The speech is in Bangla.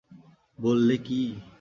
বললে, কী!